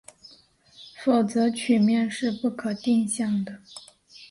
否则曲面是不可定向的。